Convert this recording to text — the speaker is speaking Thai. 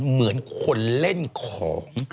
เหมือนคนเล่นของ